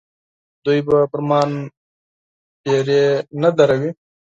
دوی به نور پر ما پیرې نه دروي.